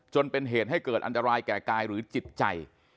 จนเป็นเหตุให้เกิดอันตรายแก่กายหรือจิตใจ